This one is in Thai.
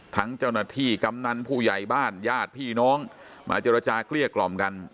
ทั้งเจ้าหน้าที่กำนันผู้ใหญ่บ้านญาติพี่น้องมาเจรจาเกลี้ยกล่อมกัน